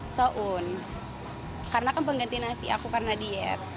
soun karena kan pengganti nasi aku karena diet